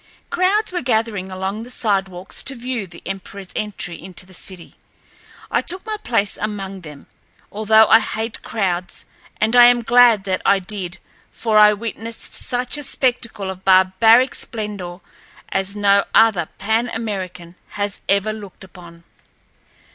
Crowds were gathering along the sidewalks to view the emperorl's entry into the city. I took my place among them, although I hate crowds, and I am glad that I did, for I witnessed such a spectacle of barbaric splendor as no other Pan American has ever looked upon.